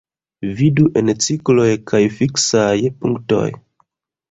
Vidu en cikloj kaj fiksaj punktoj.